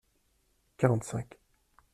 Quarante-cinq.